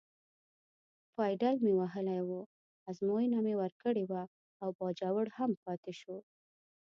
پایډل مې وهلی و، ازموینه مې ورکړې وه او باجوړ هم پاتې شو.